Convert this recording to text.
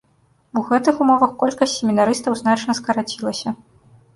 У гэтых умовах колькасць семінарыстаў значна скарацілася.